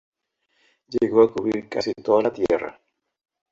Llegó a cubrir casi toda la Tierra.